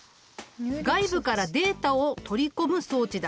外部からデータを取り込む装置だ。